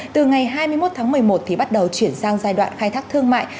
từ ngày hai mươi một tháng một mươi một thì bắt đầu chuyển sang giai đoạn khai thác thương mại